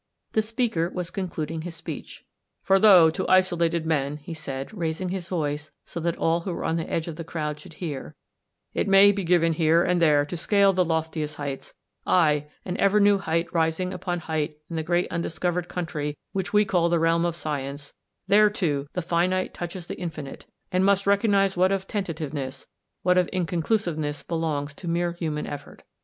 The speaker was concluding his speech. " For though to isolated men," he said, raising his voice so that all who were on the edge of the crowd should hear, "it may be given here and there to scale the loftiest heights — aye, and ever new peaks rising upon peaks in the great undiscovered country which we call the realm of science; there, too, the finite touches the infinite, and must recog nise what of tentativeness, what of inconclu siveness belongs to mere human effort.